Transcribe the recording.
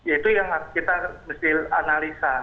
itu yang harus kita mesti analisa